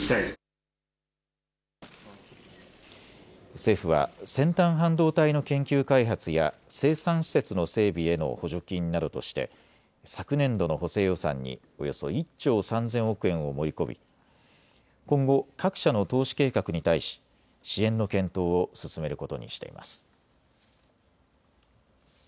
政府は先端半導体の研究開発や生産施設の整備への補助金などとして昨年度の補正予算におよそ１兆３０００億円を盛り込み今後、各社の投資計画に対し支援の検討を進めることにしています。